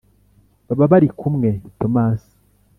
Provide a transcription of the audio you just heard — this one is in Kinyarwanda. Baba bari kumwe thomas